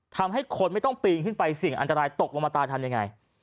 ทำให้คนไม่ต้องปีนขึ้นไปสิ่งอันตรายตกลงมาตายทำยังไง